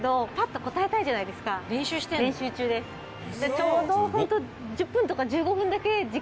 ちょうどホント。